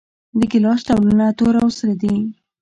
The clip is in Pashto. د ګیلاس ډولونه تور او سره دي.